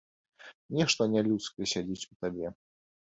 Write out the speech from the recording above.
Нешта нялюдскае сядзіць у табе.